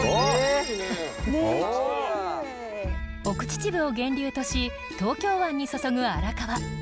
奥秩父を源流とし東京湾に注ぐ荒川。